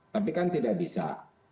tapi kan tidak bisa